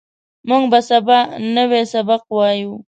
موږ به سبا نوی سبق وایو